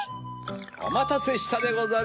おまたせしたでござる。